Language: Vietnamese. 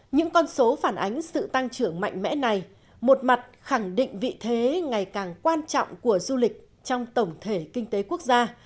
những con số phản ánh sự tăng trưởng mạnh mẽ này một mặt khẳng định vị thế ngày càng quan trọng của du lịch trong tổng thể kinh tế quốc gia